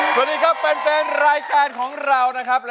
สวัสดีครับแฟนรายการของเรานะครับ